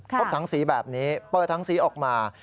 ถังสีแบบนี้เปิดถังสีออกมา